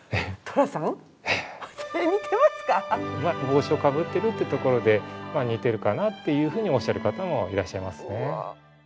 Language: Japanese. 帽子をかぶってるってところでまあ似てるかなっていうふうにおっしゃる方もいらっしゃいますね。